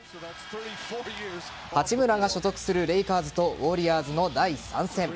八村が所属するレイカーズとウォリアーズの第３戦。